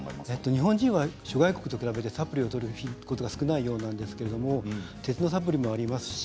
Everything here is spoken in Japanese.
日本は諸外国と比べてサプリをとることが少ないようですが鉄のサプリもあります。